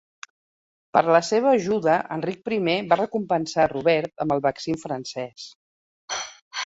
Per la seva ajuda, Enric Primer va recompensar Robert amb el Vexin francès.